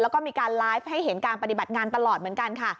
แล้วก็มีการไลฟ์ให้เห็นการปฏิบัติงานตลอดเหมือนกันค่ะ